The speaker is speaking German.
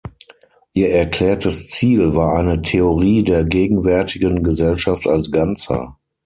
Ihr erklärtes Ziel war eine „Theorie der gegenwärtigen Gesellschaft als ganzer“.